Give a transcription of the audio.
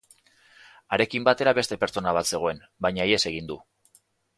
Harekin batera beste pertsona bat zegoen, baina ihes egin du.